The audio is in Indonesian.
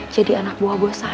jadi anak buah bos saya